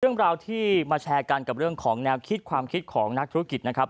เรื่องราวที่มาแชร์กันกับเรื่องของแนวคิดความคิดของนักธุรกิจนะครับ